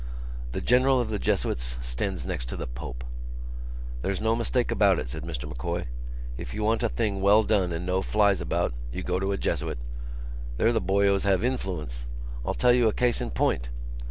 "The General of the Jesuits stands next to the Pope." "There's no mistake about it," said Mr M'Coy, "if you want a thing well done and no flies about it you go to a Jesuit. They're the boyos have influence. I'll tell you a case in point...."